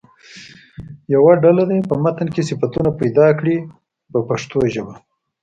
یوه ډله دې په متن کې صفتونه پیدا کړي په پښتو ژبه.